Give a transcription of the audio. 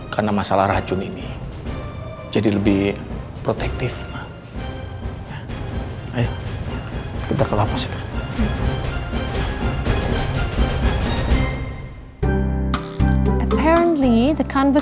sampai jumpa di video selanjutnya